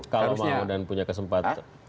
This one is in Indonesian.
kalau mau dan punya kesempatan